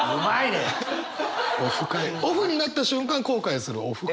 オフになった瞬間後悔するオフ悔。